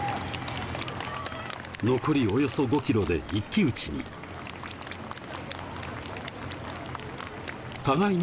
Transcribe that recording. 残りおよそ５ｋｍで一騎打ちに。